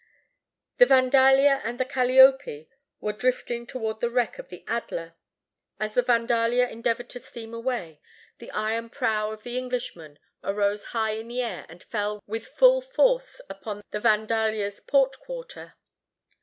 The Vandalia and the Calliope were drifting toward the wreck of the Adler. As the Vandalia endeavored to steam away, the iron prow of the Englishman arose high in the air and fell with full force upon the Vandalia's port quarter.